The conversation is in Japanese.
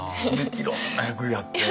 いろんな役やって。